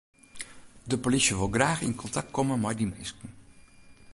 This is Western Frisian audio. De polysje wol graach yn kontakt komme mei dy minsken.